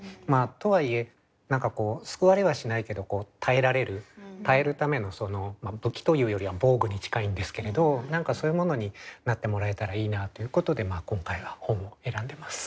とはいえ何かこう救われはしないけど耐えられる耐えるためのまあ武器というよりは防具に近いんですけれど何かそういうものになってもらえたらいいなということで今回は本を選んでます。